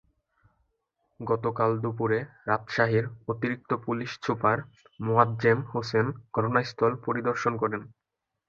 গতকাল দুপুরে রাজশাহীর অতিরিক্ত পুলিশ সুপার মোয়াজ্জেম হোসেন ঘটনাস্থল পরিদর্শন করেন।